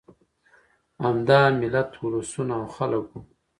همدا ملت، اولسونه او خلک وو.